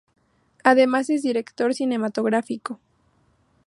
Además es director cinematográfico.